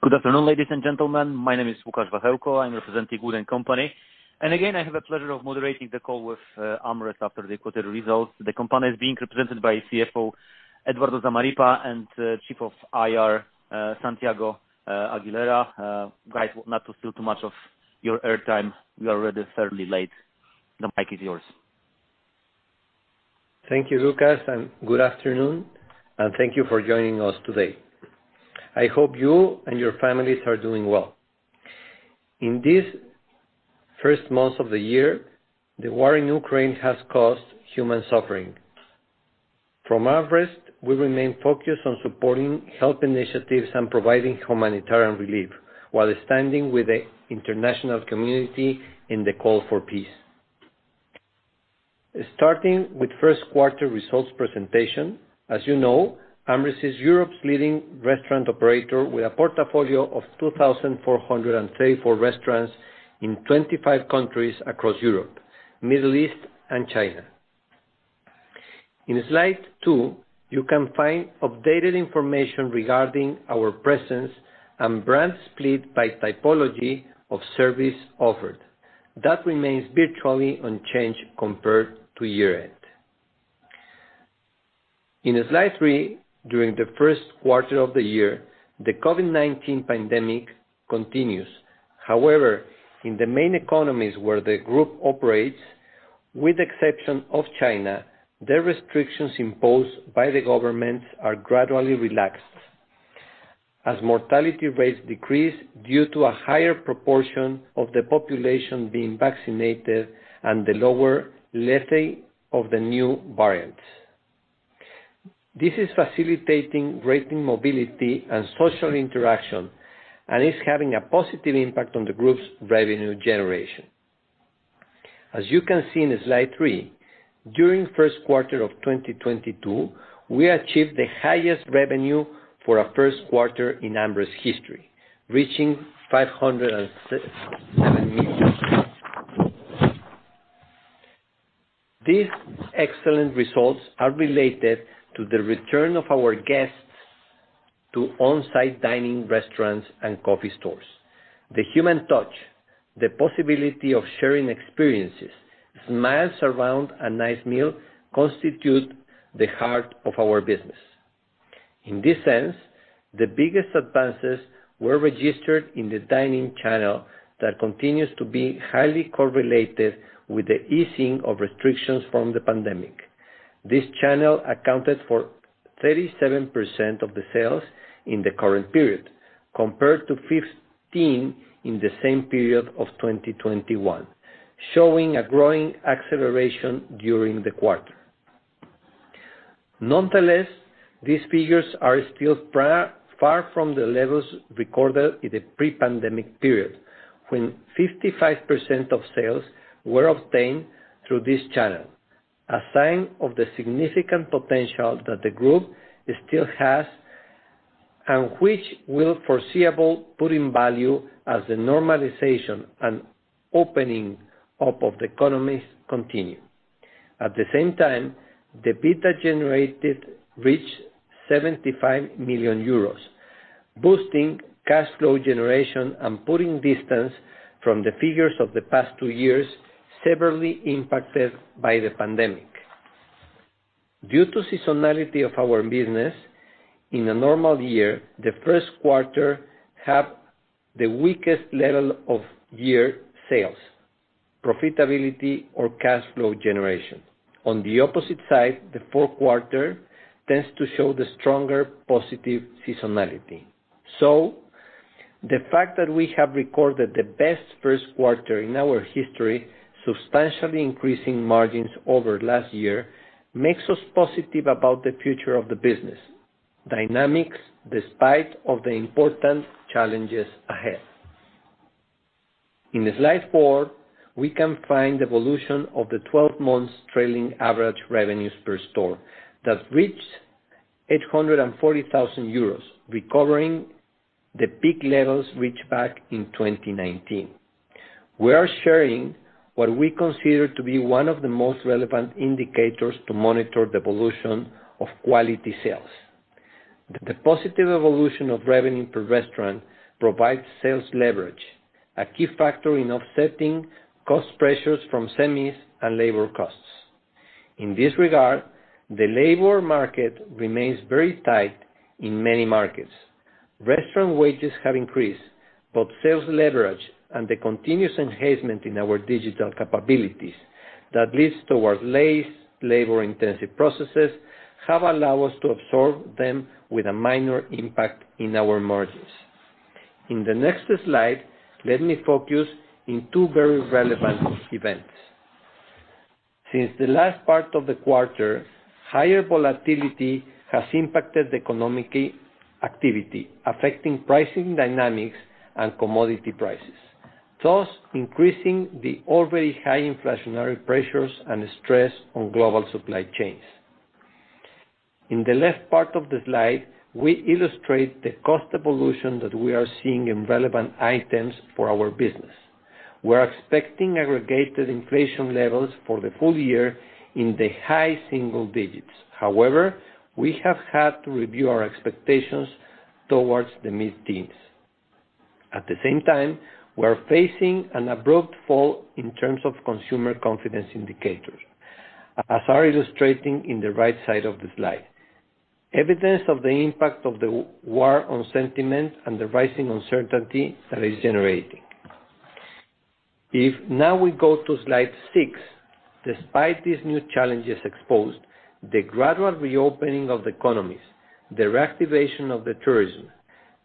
Good afternoon, ladies and gentlemen. My name is Łukasz Wachełko, I'm representing WOOD & Company. I have the pleasure of moderating the call with AmRest after the quarter results. The company is being represented by CFO Eduardo Zamarripa and Chief of IR Santiago Aguilera. Guys, not to steal too much of your airtime, we are already fairly late. The mic is yours. Thank you, Łukasz, and good afternoon, and thank you for joining us today. I hope you and your families are doing well. In this first month of the year, the war in Ukraine has caused human suffering. From AmRest, we remain focused on supporting health initiatives and providing humanitarian relief while standing with the international community in the call for peace. Starting with first quarter results presentation, as you know, AmRest is Europe's leading restaurant operator with a portfolio of 2,434 restaurants in 25 countries across Europe, Middle East, and China. In slide two, you can find updated information regarding our presence and brand split by typology of service offered. That remains virtually unchanged compared to year-end. In slide three, during the first quarter of the year, the COVID-19 pandemic continues. However, in the main economies where the group operates, with the exception of China, the restrictions imposed by the governments are gradually relaxed. As mortality rates decrease due to a higher proportion of the population being vaccinated and the lower lethality of the new variants. This is facilitating greater mobility and social interaction, and it's having a positive impact on the group's revenue generation. As you can see in slide three, during first quarter of 2022, we achieved the highest revenue for a first quarter in AmRest history, reaching EUR 507 million. These excellent results are related to the return of our guests to on-site dining restaurants and coffee stores. The human touch, the possibility of sharing experiences, smiles around a nice meal constitute the heart of our business. In this sense, the biggest advances were registered in the dining channel that continues to be highly correlated with the easing of restrictions from the pandemic. This channel accounted for 37% of the sales in the current period, compared to 15% in the same period of 2021, showing a growing acceleration during the quarter. Nonetheless, these figures are still far from the levels recorded in the pre-pandemic period, when 55% of sales were obtained through this channel, a sign of the significant potential that the group still has, and which will foreseeably put in value as the normalization and opening up of the economies continue. At the same time, the EBITDA generated reached 75 million euros, boosting cash flow generation and putting distance from the figures of the past two years, severely impacted by the pandemic. Due to seasonality of our business, in a normal year, the first quarter have the weakest level of year sales, profitability or cash flow generation. On the opposite side, the fourth quarter tends to show the stronger positive seasonality. The fact that we have recorded the best first quarter in our history, substantially increasing margins over last year, makes us positive about the future of the business dynamics despite of the important challenges ahead. In slide four, we can find the evolution of the 12 months trailing average revenues per store that reached 840 thousand euros, recovering the peak levels reached back in 2019. We are sharing what we consider to be one of the most relevant indicators to monitor the evolution of quality sales. The positive evolution of revenue per restaurant provides sales leverage, a key factor in offsetting cost pressures from semis and labor costs. In this regard, the labor market remains very tight in many markets. Restaurant wages have increased, both sales leverage and the continuous enhancement in our digital capabilities that leads toward less labor-intensive processes, have allowed us to absorb them with a minor impact in our margins. In the next slide, let me focus on two very relevant events. Since the last part of the quarter, higher volatility has impacted the economic activity, affecting pricing dynamics and commodity prices, thus increasing the already high inflationary pressures and stress on global supply chains. In the left part of the slide, we illustrate the cost evolution that we are seeing in relevant items for our business. We're expecting aggregated inflation levels for the full year in the high single digits. However, we have had to review our expectations towards the mid-teens. At the same time, we are facing an abrupt fall in terms of consumer confidence indicators, as we are illustrating in the right side of the slide, evidence of the impact of the war on sentiment and the rising uncertainty that it is generating. If now we go to slide six, despite these new challenges posed, the gradual reopening of the economies, the reactivation of tourism,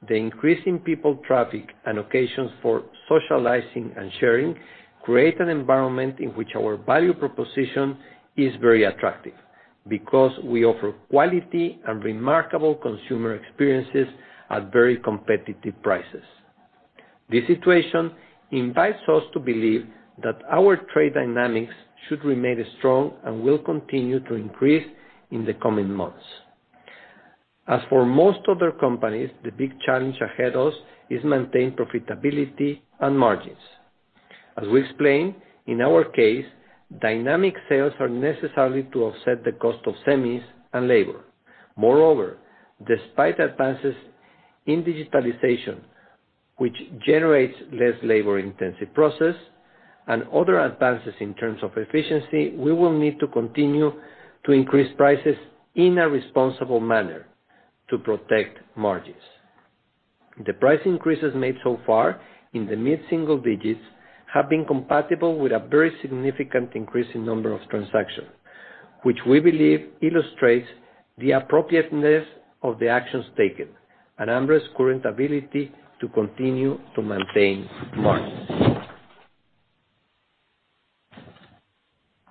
the increase in people traffic, and occasions for socializing and sharing create an environment in which our value proposition is very attractive because we offer quality and remarkable consumer experiences at very competitive prices. This situation invites us to believe that our trade dynamics should remain strong and will continue to increase in the coming months. As for most other companies, the big challenge ahead of us is to maintain profitability and margins. As we explained, in our case, dynamic sales are necessary to offset the cost of semis and labor. Moreover, despite advances in digitalization, which generates less labor-intensive process, and other advances in terms of efficiency, we will need to continue to increase prices in a responsible manner to protect margins. The price increases made so far in the mid single digits have been compatible with a very significant increase in number of transactions, which we believe illustrates the appropriateness of the actions taken, and AmRest's current ability to continue to maintain margins.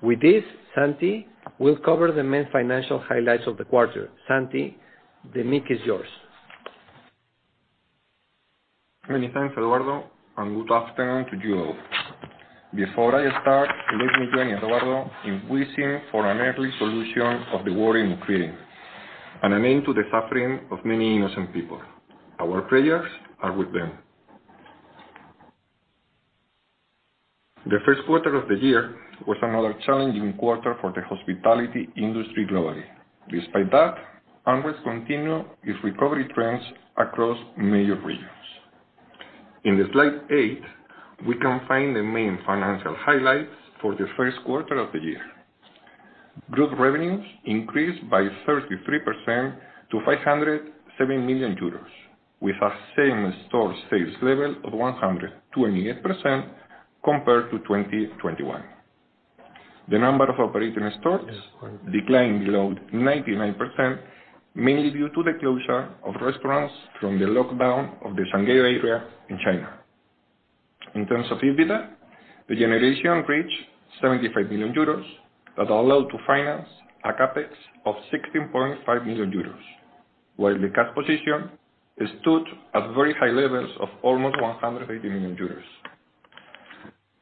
With this, Santiago will cover the main financial highlights of the quarter. Santiago, the mic is yours. Many thanks, Eduardo, and good afternoon to you all. Before I start, let me join Eduardo in wishing for an early solution of the war in Ukraine, and an end to the suffering of many innocent people. Our prayers are with them. The first quarter of the year was another challenging quarter for the hospitality industry globally. Despite that, AmRest continue its recovery trends across major regions. In the slide eight, we can find the main financial highlights for the first quarter of the year. Group revenues increased by 33% to 507 million euros, with a same-store sales level of 128% compared to 2021. The number of operating stores declined below 99%, mainly due to the closure of restaurants from the lockdown of the Shanghai area in China. In terms of EBITDA, the generation reached 75 million euros that allowed to finance a CapEx of 16.5 million euros, while the cash position stood at very high levels of almost 180 million euros.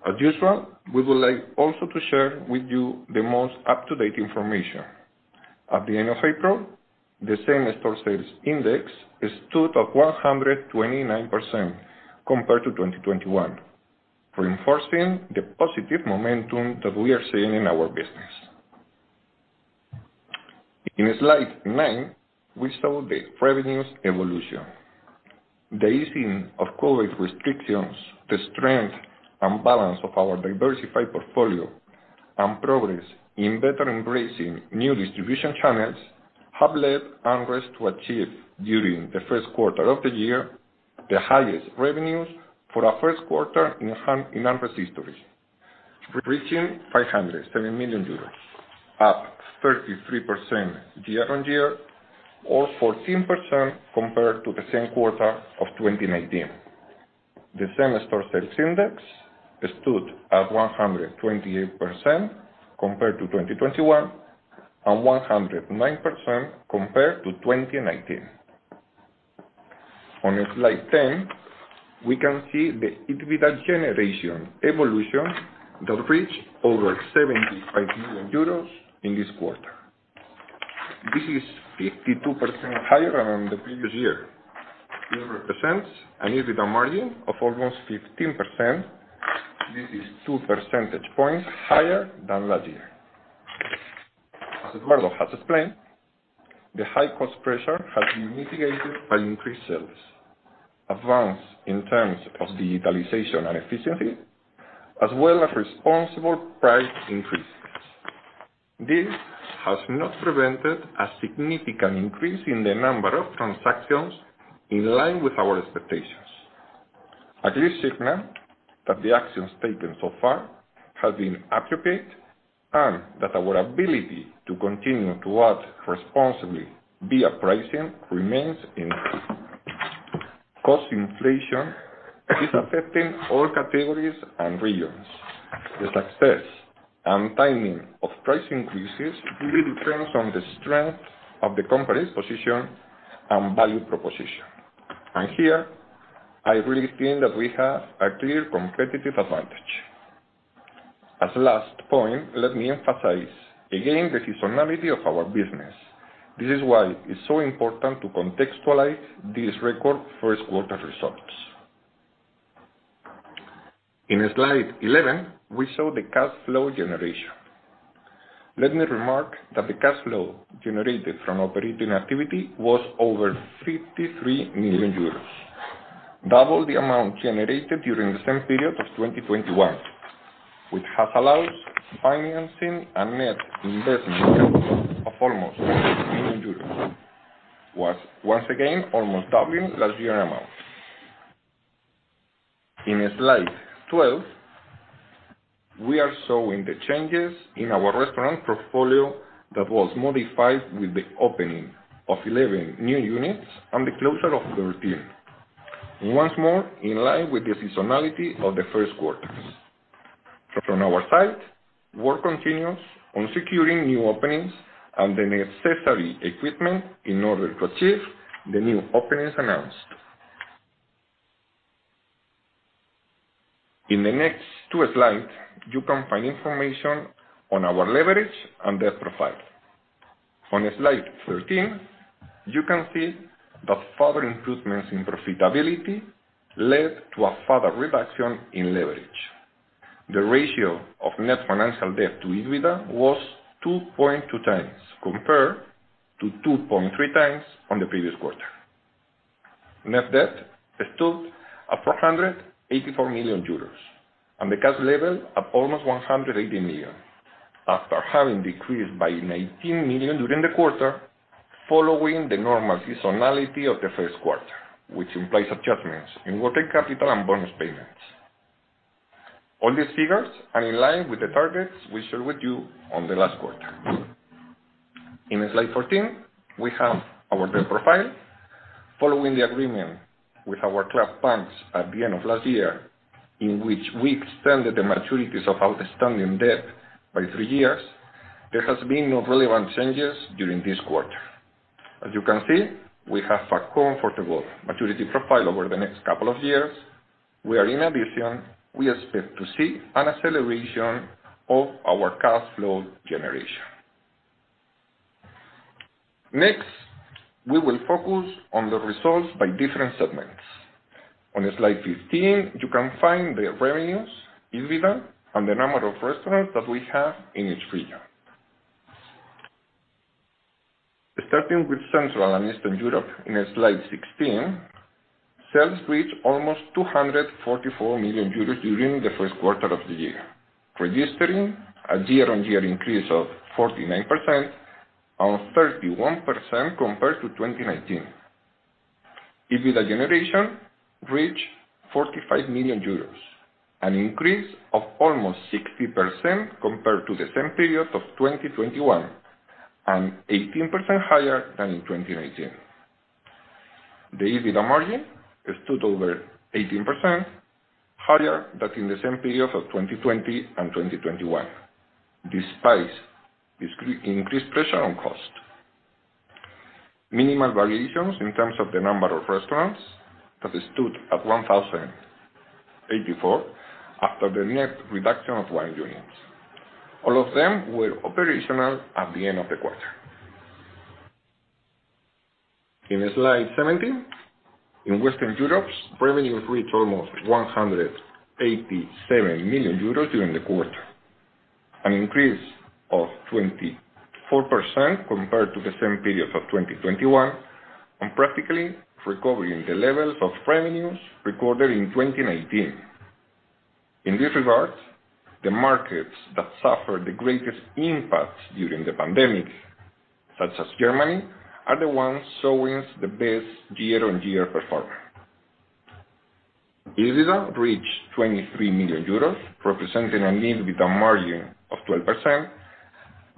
As usual, we would like also to share with you the most up-to-date information. At the end of April, the same-store sales index stood at 129% compared to 2021, reinforcing the positive momentum that we are seeing in our business. In slide nine, we saw the revenues evolution. The easing of COVID restrictions, the strength and balance of our diversified portfolio, and progress in better embracing new distribution channels have led AmRest to achieve, during the first quarter of the year, the highest revenues for our first quarter in AmRest's history, reaching 507 million euros, up 33% year-on-year or 14% compared to the same quarter of 2019. The same-store sales index stood at 128% compared to 2021, and 109% compared to 2019. On slide 10, we can see the EBITDA generation evolution that reached over 75 million euros in this quarter. This is 52% higher than the previous year. This represents an EBITDA margin of almost 15%. This is 2 percentage points higher than last year. As Eduardo has explained, the high cost pressure has been mitigated by increased sales, advanced in terms of digitalization and efficiency, as well as responsible price increases. This has not prevented a significant increase in the number of transactions in line with our expectations. A clear signal that the actions taken so far have been appropriate, and that our ability to continue to act responsibly via pricing remains intact. Cost inflation is affecting all categories and regions. The success and timing of price increases really depends on the strength of the company's position and value proposition. Here, I really think that we have a clear competitive advantage. As a last point, let me emphasize again the seasonality of our business. This is why it's so important to contextualize these record first quarter results. In slide 11, we show the cash flow generation. Let me remark that the cash flow generated from operating activity was over 53 million euros, double the amount generated during the same period of 2021, which has allowed financing a net investment of almost million euros. Once again, almost doubling last year amount. In slide 12, we are showing the changes in our restaurant portfolio that was modified with the opening of 11 new units and the closure of 13. Once more, in line with the seasonality of the first quarters. From our side, work continues on securing new openings and the necessary equipment in order to achieve the new openings announced. In the next two slides, you can find information on our leverage and debt profile. On slide 13, you can see that further improvements in profitability led to a further reduction in leverage. The ratio of net financial debt to EBITDA was 2.2x, compared to 2.3x on the previous quarter. Net debt stood at 484 million euros, and the cash level at almost 180 million, after having decreased by 19 million during the quarter following the normal seasonality of the first quarter, which implies adjustments in working capital and bonus payments. All these figures are in line with the targets we shared with you on the last quarter. In slide 14, we have our debt profile. Following the agreement with our club banks at the end of last year, in which we extended the maturities of outstanding debt by three years, there has been no relevant changes during this quarter. As you can see, we have a comfortable maturity profile over the next couple of years, where in addition we expect to see an acceleration of our cash flow generation. Next, we will focus on the results by different segments. On slide 15, you can find the revenues, EBITDA, and the number of restaurants that we have in each region. Starting with Central and Eastern Europe in slide 16, sales reached almost 244 million euros during the first quarter of the year, registering a year-on-year increase of 49%, or 31% compared to 2019. EBITDA generation reached 45 million euros, an increase of almost 60% compared to the same period of 2021, and 18% higher than in 2019. The EBITDA margin stood over 18%, higher than in the same period of 2020 and 2021, despite this increased pressure on cost. Minimal variations in terms of the number of restaurants that stood at 1,084 after the net reduction of 1 unit. All of them were operational at the end of the quarter. In slide 17, in Western Europe, revenues reached almost 187 million euros during the quarter. An increase of 24% compared to the same period of 2021, and practically recovering the levels of revenues recorded in 2019. In this regard, the markets that suffered the greatest impact during the pandemic, such as Germany, are the ones showing the best year-on-year performance. EBITDA reached 23 million euros, representing an EBITDA margin of 12%.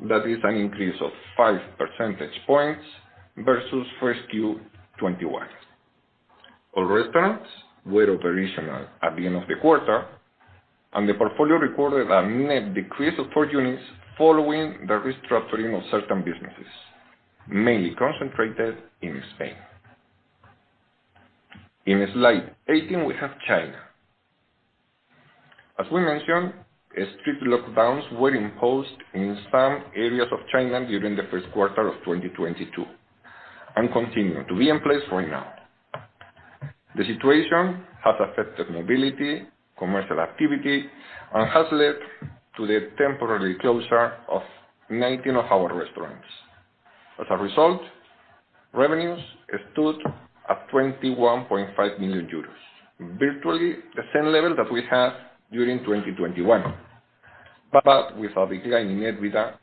That is an increase of 5 percentage points versus first Q 2021. All restaurants were operational at the end of the quarter, and the portfolio recorded a net decrease of 4 units following the restructuring of certain businesses, mainly concentrated in Spain. In slide 18, we have China. As we mentioned, strict lockdowns were imposed in some areas of China during the first quarter of 2022 and continue to be in place right now. The situation has affected mobility, commercial activity, and has led to the temporary closure of 19 of our restaurants. As a result, revenues stood at 21.5 million euros, virtually the same level that we had during 2021. With a decline in EBITDA,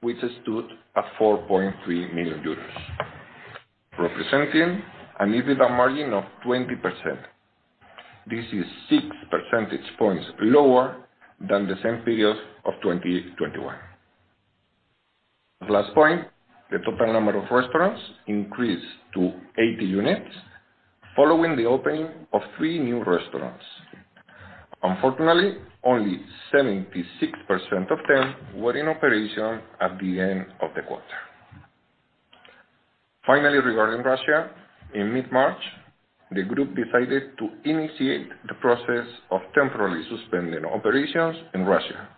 which stood at 4.3 million euros, representing an EBITDA margin of 20%. This is 6 percentage points lower than the same period of 2021. Last point, the total number of restaurants increased to 80 units following the opening of three new restaurants. Unfortunately, only 76% of them were in operation at the end of the quarter. Finally, regarding Russia, in mid March, the group decided to initiate the process of temporarily suspending operations in Russia.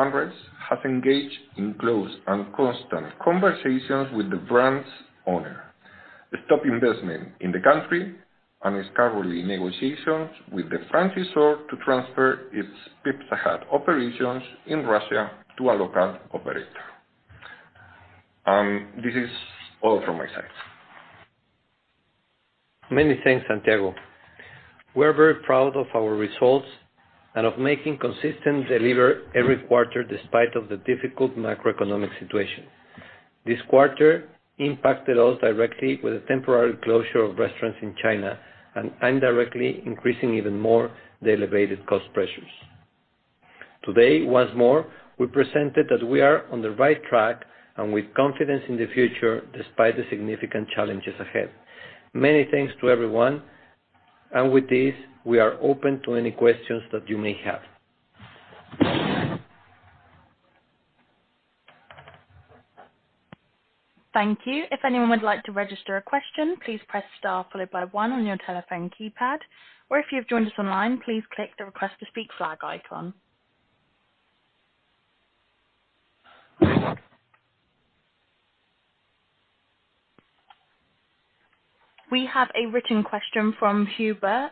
Since then, AmRest has engaged in close and constant conversations with the brand's owner to stop investment in the country and is currently in negotiations with the franchisor to transfer its Pizza Hut operations in Russia to a local operator. This is all from my side. Many thanks, Santiago. We're very proud of our results and of making consistent delivery every quarter despite the difficult macroeconomic situation. This quarter impacted us directly with a temporary closure of restaurants in China and indirectly increasing even more the elevated cost pressures. Today, once more, we presented that we are on the right track and with confidence in the future despite the significant challenges ahead. Many thanks to everyone, and with this, we are open to any questions that you may have. Thank you. If anyone would like to register a question, please press star followed by one on your telephone keypad, or if you've joined us online, please click the Request to Speak flag icon. We have a written question from Hubert,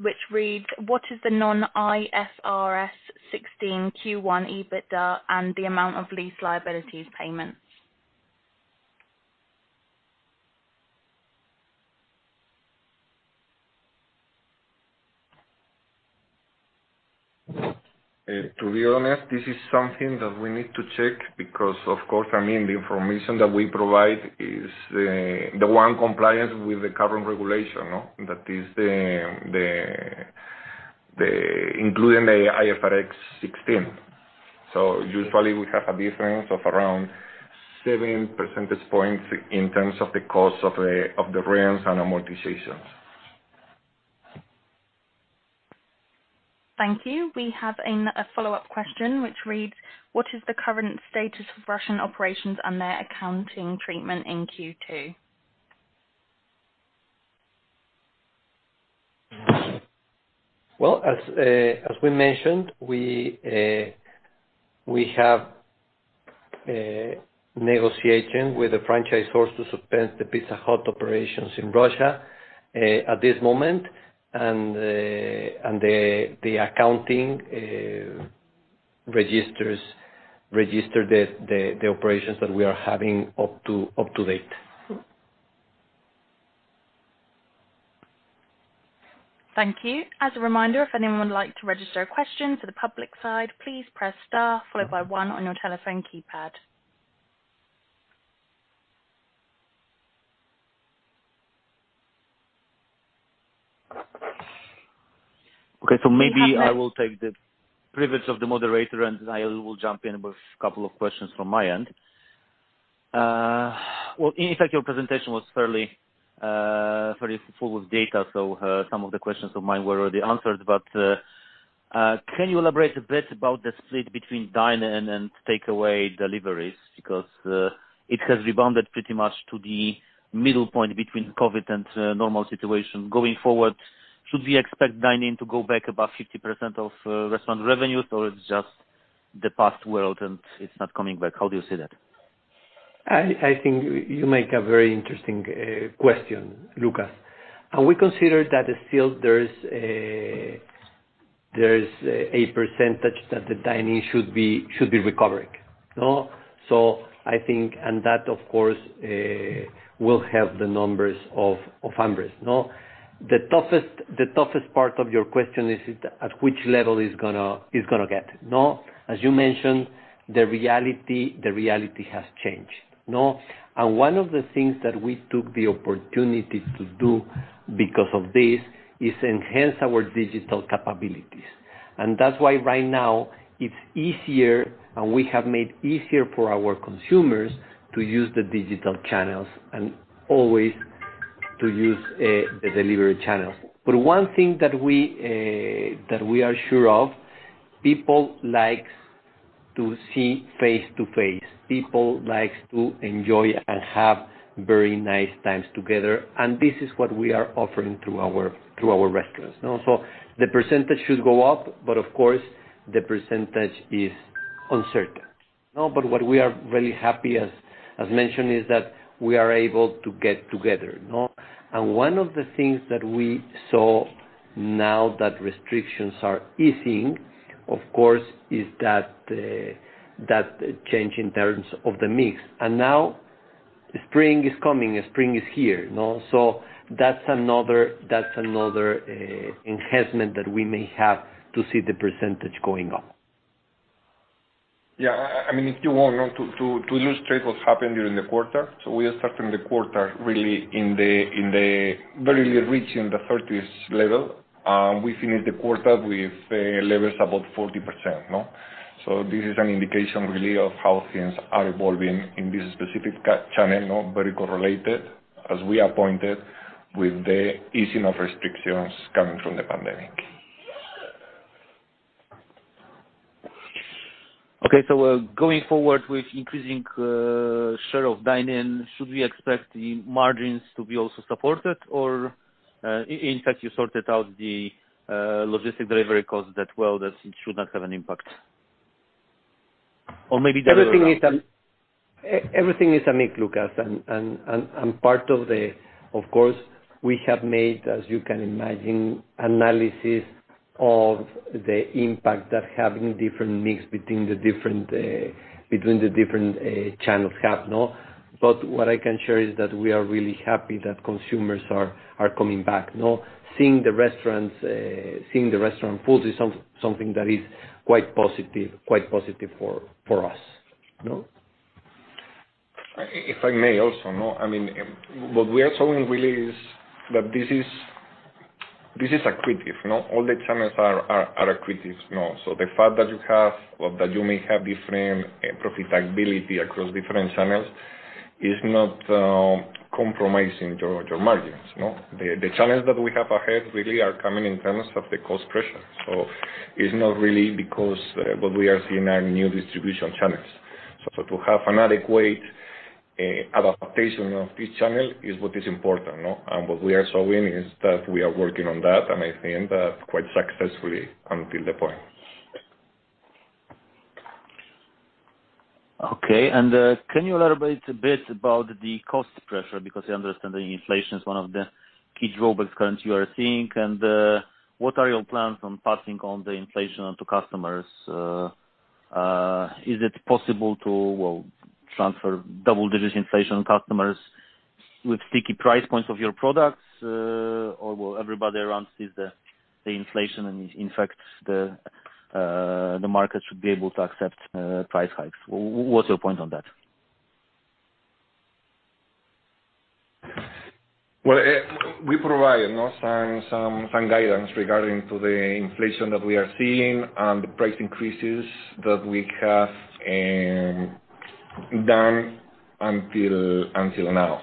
which reads, "What is the non-IFRS 16 Q1 EBITDA and the amount of lease liabilities payments? To be honest, this is something that we need to check because, of course, I mean, the information that we provide is the one in compliance with the current regulation, no? That is the one including the IFRS 16. Usually we have a difference of around 7 percentage points in terms of the cost of the rents and amortizations. Thank you. We have a follow-up question which reads, "What is the current status of Russian operations and their accounting treatment in Q2? Well, as we mentioned, we have negotiation with the franchisor to suspend the Pizza Hut operations in Russia at this moment, and the accounting registers the operations that we are having up to date. Thank you. As a reminder, if anyone would like to register a question to the public side, please press Star followed by one on your telephone keypad. Okay. Maybe I will take the privilege of the moderator, and I will jump in with couple of questions from my end. Well, in effect, your presentation was fairly full of data, so some of the questions of mine were already answered. Can you elaborate a bit about the split between dine-in and take-away deliveries? Because it has rebounded pretty much to the middle point between COVID and normal situation. Going forward, should we expect dine-in to go back above 50% of restaurant revenues, or it's just the past world and it's not coming back? How do you see that? I think you make a very interesting question, Łukasz. We consider that still there's a percentage that the dine-in should be recovering, no? I think. That, of course, will help the numbers of AmRest, no? The toughest part of your question is at which level it's gonna get, no? As you mentioned, the reality has changed, no? One of the things that we took the opportunity to do because of this is enhance our digital capabilities. That's why right now it's easier, and we have made easier for our consumers to use the digital channels and always to use the delivery channels. One thing that we are sure of, people likes to see face-to-face. People likes to enjoy and have very nice times together, and this is what we are offering through our restaurants, no? The percentage should go up, but of course, the percentage is uncertain, no? What we are really happy, as mentioned, is that we are able to get together, no? One of the things that we saw now that restrictions are easing, of course, is that that change in terms of the mix. Now spring is coming, spring is here, no? That's another enhancement that we may have to see the percentage going up. Yeah. I mean, if you want, no, to illustrate what happened during the quarter. We are starting the quarter really in the barely reaching the thirties level. We finished the quarter with levels above 40%, no? This is an indication really of how things are evolving in this specific channel, no, very correlated, as we pointed out, with the easing of restrictions coming from the pandemic. Okay. Going forward with increasing share of dine-in, should we expect the margins to be also supported? Or, in fact, you sorted out the logistics delivery cost that well that it should not have an impact. Or maybe the other way around. Everything is a mix, Łukasz. Part of the, of course, we have made, as you can imagine, analysis of the impact that having different mix between the different channels have, no? What I can share is that we are really happy that consumers are coming back, no? Seeing the restaurants, seeing the restaurant food is something that is quite positive for us, no? If I may also, no? I mean, what we are showing really is that this is accretive, no? All the channels are accretive, no? The fact that you have or that you may have different profitability across different channels is not compromising your margins, no? The channels that we have ahead really are coming in terms of the cost pressure. It's not really because what we are seeing are new distribution channels. To have an adequate adaptation of each channel is what is important, no? What we are showing is that we are working on that, and I think that quite successfully until the point. Okay. Can you elaborate a bit about the cost pressure? Because I understand that inflation is one of the key drawbacks currently you are seeing. What are your plans on passing on the inflation to customers? Is it possible to, well, transfer double-digit inflation to customers with sticky price points of your products, or will everybody around see the inflation and in fact, the market should be able to accept price hikes? What's your point on that? Well, we provide, you know, some guidance regarding to the inflation that we are seeing and the price increases that we have done until now.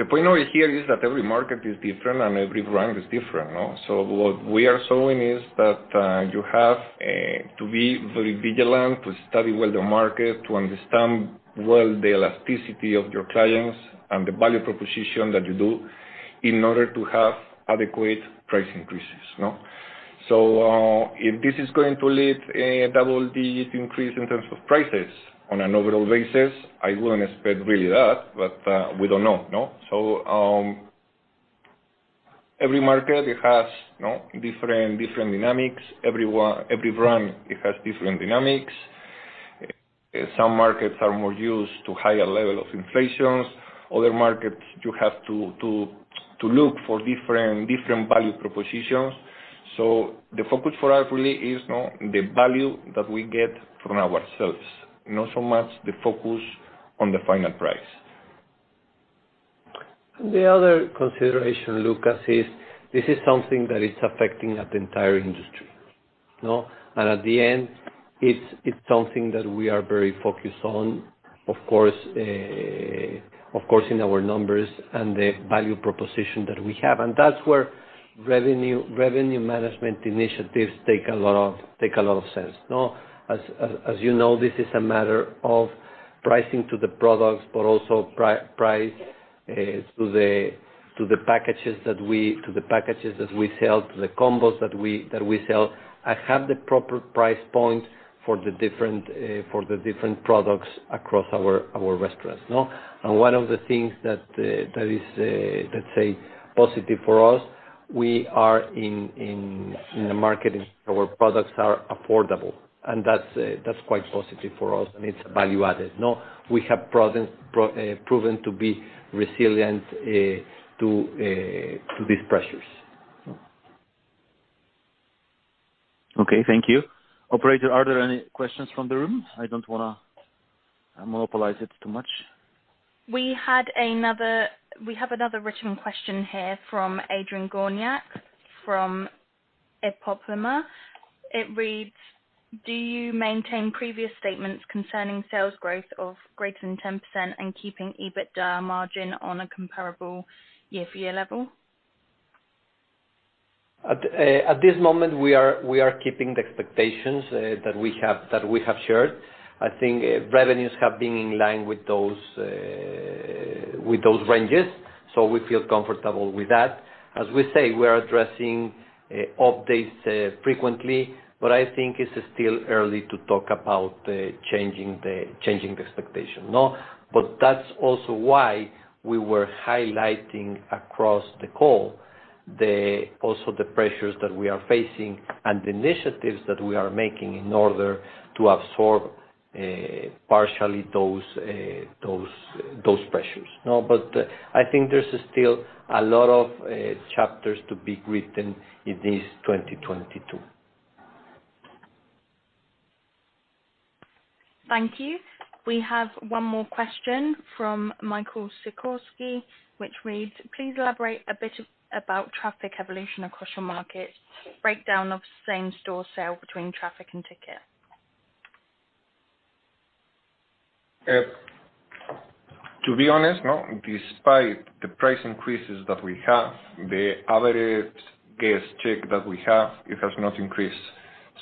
The point over here is that every market is different and every brand is different, no? What we are showing is that you have to be very vigilant, to study well the market, to understand well the elasticity of your clients and the value proposition that you do in order to have adequate price increases, no? If this is going to lead to a double-digit increase in terms of prices on an overall basis, I wouldn't expect really that, but we don't know, no? Every market, it has different dynamics. Every brand, it has different dynamics. Some markets are more used to higher level of inflation. Other markets, you have to look for different value propositions. The focus for us really is the value that we get from ourselves, not so much the focus on the final price. The other consideration, Łukasz, is something that is affecting the entire industry, no? At the end, it's something that we are very focused on, of course, in our numbers and the value proposition that we have. That's where revenue management initiatives take a lot of sense, no? As you know, this is a matter of pricing to the products, but also price to the packages that we sell, to the combos that we sell, and have the proper price point for the different products across our restaurants, no? One of the things that is, let's say, positive for us. We are in a market in which our products are affordable, and that's quite positive for us, and it's value added, no? We have proven to be resilient to these pressures. Okay, thank you. Operator, are there any questions from the room? I don't wanna monopolize it too much. We have another written question here from Adrian Górniak from IPOPEMA Securities. It reads: Do you maintain previous statements concerning sales growth of greater than 10% and keeping EBITDA margin on a comparable year-over-year level? At this moment we are keeping the expectations that we have shared. I think revenues have been in line with those ranges, so we feel comfortable with that. As we say, we are addressing updates frequently, but I think it's still early to talk about changing the expectation, no? That's also why we were highlighting across the call the pressures that we are facing and the initiatives that we are making in order to absorb partially those pressures, no? I think there's still a lot of chapters to be written in this 2022. Thank you. We have one more question from Michał Sikorski, which reads: Please elaborate a bit about traffic evolution across your markets, breakdown of same-store sale between traffic and ticket. To be honest, no, despite the price increases that we have, the average guest check that we have, it has not increased.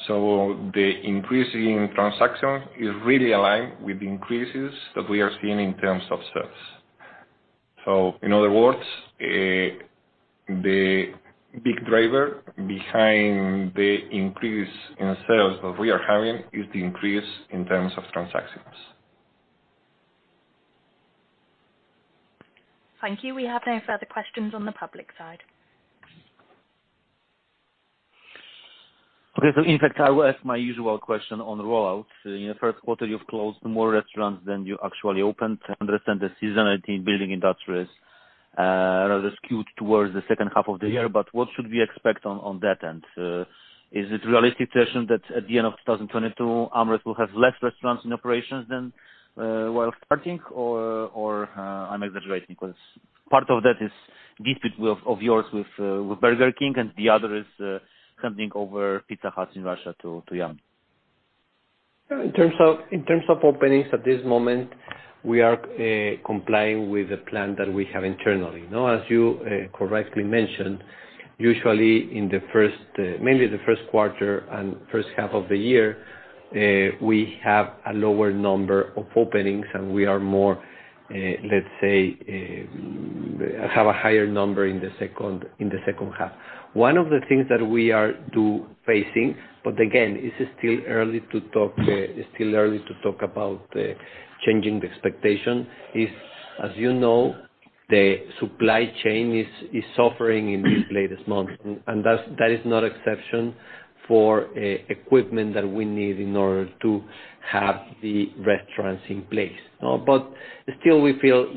The increase in transaction is really aligned with increases that we are seeing in terms of sales. In other words, the big driver behind the increase in sales that we are having is the increase in terms of transactions. Thank you. We have no further questions on the public side. Okay. In fact, I will ask my usual question on roll-outs. In the first quarter, you've closed more restaurants than you actually opened. I understand the seasonality building industries rather skewed towards the second half of the year. What should we expect on that end? Is it realistic to assume that at the end of 2022, AmRest will have less restaurants in operations than while starting or I'm exaggerating because part of that is dispute of yours with Burger King and the other is handing over Pizza Hut in Russia to Yum? In terms of openings at this moment, we are complying with the plan that we have internally. Now, as you correctly mentioned, usually in the first, mainly the first quarter and first half of the year, we have a lower number of openings, and we have a higher number in the second half. One of the things that we are facing, but again, it's still early to talk about changing the expectation, as you know, the supply chain is suffering in these latest months. That's not an exception for equipment that we need in order to have the restaurants in place. Still we feel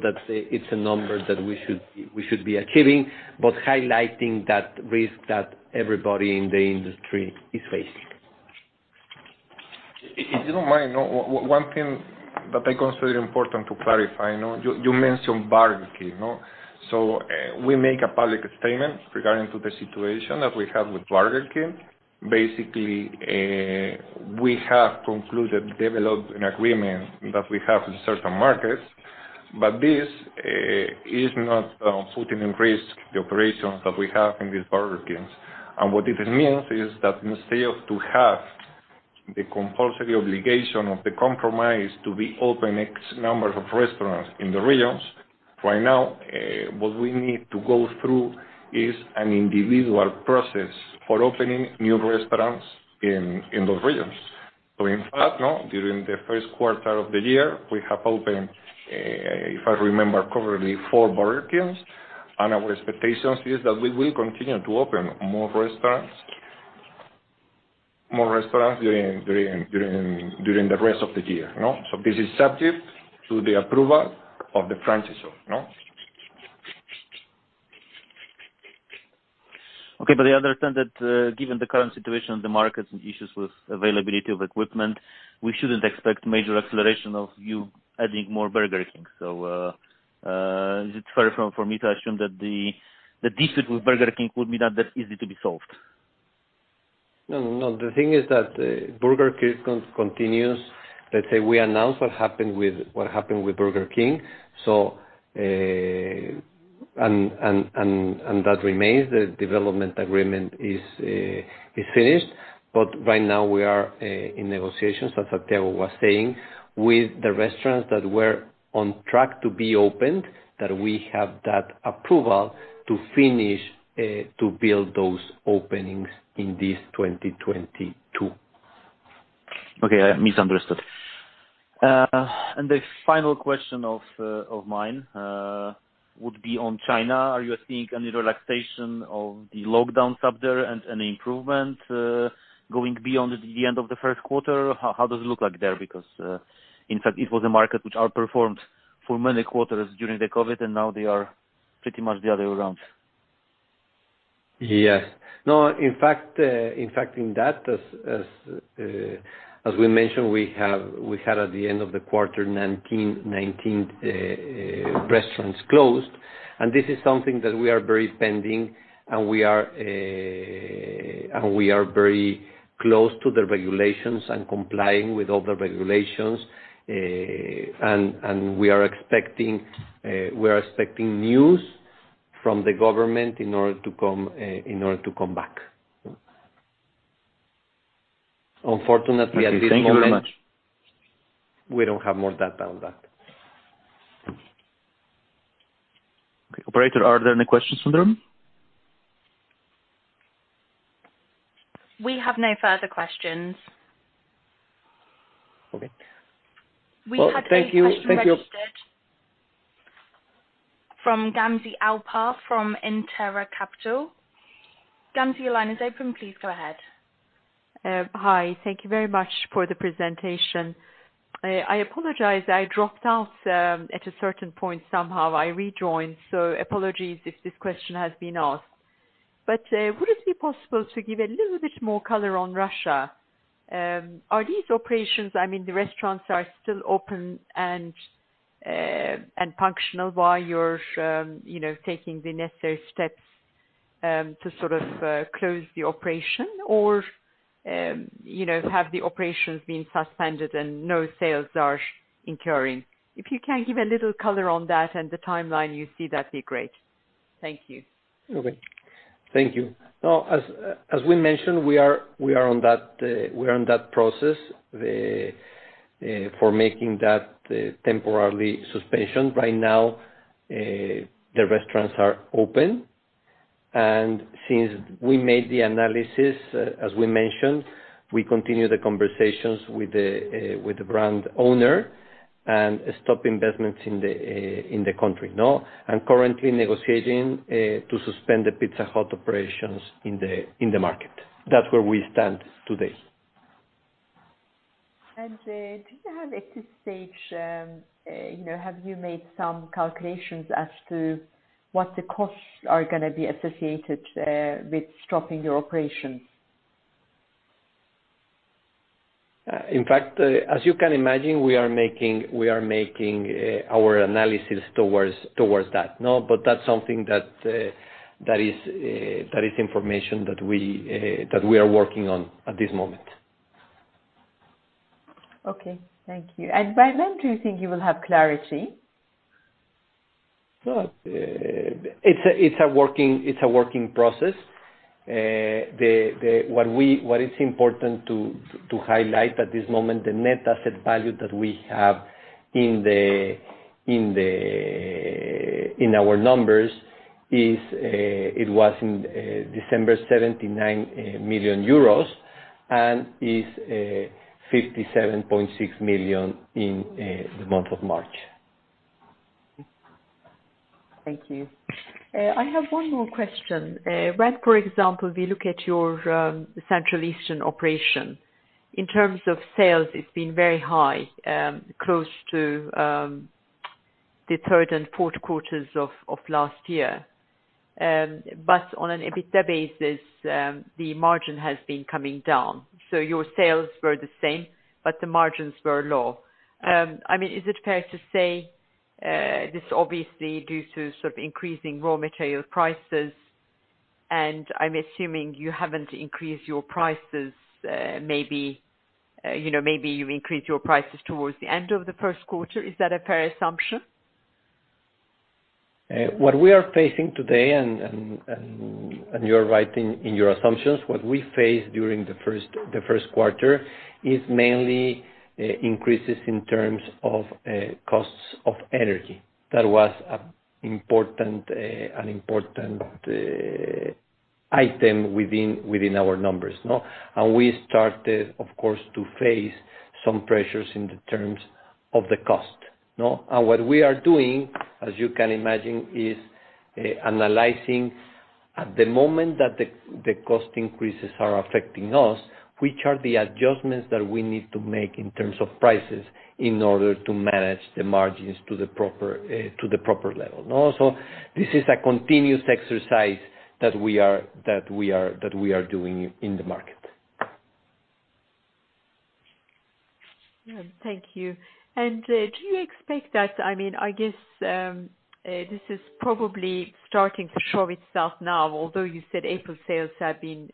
that it's a number that we should be achieving, but highlighting that risk that everybody in the industry is facing. If you don't mind, one thing that I consider important to clarify. You mentioned Burger King, no? We make a public statement regarding to the situation that we have with Burger King. Basically, we have concluded, developed an agreement that we have in certain markets, but this is not putting in risk the operations that we have in these Burger Kings. What it means is that instead of to have the compulsory obligation of the compromise to reopen X number of restaurants in the regions, right now, what we need to go through is an individual process for opening new restaurants in those regions. In fact, no, during the first quarter of the year, we have opened, if I remember correctly, four Burger Kings, and our expectations is that we will continue to open more restaurants during the rest of the year, no? This is subject to the approval of the franchisor, no? Okay. I understand that, given the current situation of the markets and issues with availability of equipment, we shouldn't expect major acceleration of you adding more Burger King. Is it fair for me to assume that the dispute with Burger King would be not that easy to be solved? No, no. The thing is that Burger King continues. Let's say we announce what happened with Burger King. That remains. The development agreement is finished. Right now we are in negotiations, as Eduardo was saying, with the restaurants that were on track to be opened, that we have that approval to finish to build those openings in this 2022. Okay, I misunderstood. The final question of mine would be on China. Are you seeing any relaxation of the lockdowns up there and any improvement going beyond the end of the first quarter? How does it look like there? Because, in fact, it was a market which outperformed for many quarters during the COVID, and now they are pretty much the other way around. Yes. No, in fact, as we mentioned, we had at the end of the quarter 19 restaurants closed. This is something that we are very attentive, and we are very close to the regulations and complying with all the regulations. We are expecting news from the government in order to come back. Unfortunately, at this moment. Thank you very much. We don't have more data on that. Okay. Operator, are there any questions in the room? We have no further questions. Okay. We have a question registered. Thank you. Thank you. From Gamze Alpar from Impera Capital. Gamze, your line is open. Please go ahead. Hi. Thank you very much for the presentation. I apologize, I dropped out at a certain point, somehow I rejoined. Apologies if this question has been asked. Would it be possible to give a little bit more color on Russia? Are these operations, I mean, the restaurants are still open and functional while you're you know taking the necessary steps to sort of close the operation or you know have the operations been suspended and no sales are incurring? If you can give a little color on that and the timeline you see, that'd be great. Thank you. Okay. Thank you. No, as we mentioned, we are on that process for making that temporary suspension. Right now, the restaurants are open and since we made the analysis, as we mentioned, we continue the conversations with the brand owner and stop investments in the country. No? Currently negotiating to suspend the Pizza Hut operations in the market. That's where we stand today. Do you have at this stage, you know, have you made some calculations as to what the costs are gonna be associated with stopping your operations? In fact, as you can imagine, we are making our analysis towards that. No, that's something that is information that we are working on at this moment. Okay. Thank you. By when do you think you will have clarity? Well, it's a working process. What is important to highlight at this moment, the net asset value that we have in our numbers is. It was in December 79 million euros and is 57.6 million in the month of March. Thank you. I have one more question. When for example we look at your Central and Eastern operation, in terms of sales it's been very high, close to the third and fourth quarters of last year. But on an EBITDA basis, the margin has been coming down. Your sales were the same, but the margins were low. I mean, is it fair to say this is obviously due to sort of increasing raw material prices, and I'm assuming you haven't increased your prices, maybe, you know, maybe you increased your prices towards the end of the first quarter. Is that a fair assumption? What we are facing today, you're right in your assumptions. What we faced during the first quarter is mainly increases in terms of costs of energy. That was an important item within our numbers, no? We started of course to face some pressures in terms of the cost, no? What we are doing, as you can imagine, is analyzing at the moment the cost increases that are affecting us, which are the adjustments that we need to make in terms of prices in order to manage the margins to the proper level. Also, this is a continuous exercise that we are doing in the market. Yeah. Thank you. Do you expect that I mean, I guess, this is probably starting to show itself now, although you said April sales have been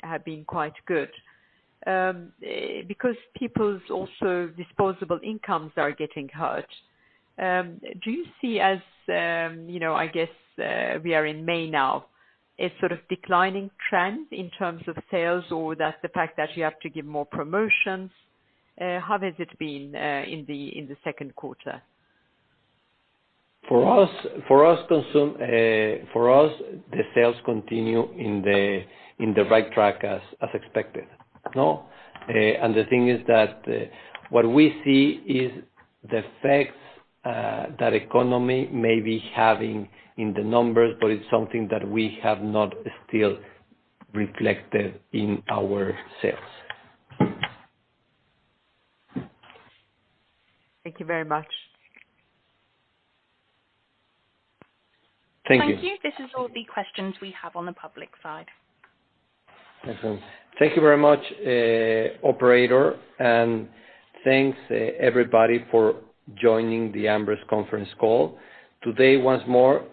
quite good. Because people's disposable incomes are also getting hurt, do you see, you know, I guess, we are in May now, a sort of declining trend in terms of sales or that the fact that you have to give more promotions? How has it been in the second quarter? For us, the sales continue on the right track as expected. No? The thing is that what we see is the effects the economy may be having on the numbers, but it's something that we have not yet reflected in our sales. Thank you very much. Thank you. Thank you. This is all the questions we have on the public side. Thank you very much, operator, and thanks, everybody for joining the AmRest conference call. Today once more,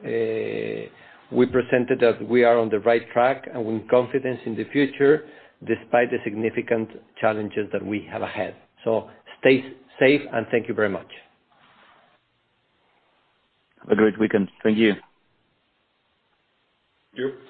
we presented that we are on the right track and with confidence in the future despite the significant challenges that we have ahead. Stay safe and thank you very much. Have a great weekend. Thank you. Thank you.